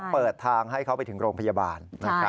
เปิดทางให้เขาไปถึงโรงพยาบาลนะครับ